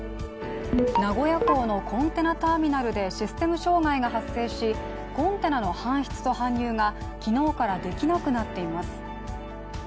名古屋港のコンテナターミナルでシステム障害が発生しコンテナの搬出と搬入が昨日からできなくなっています。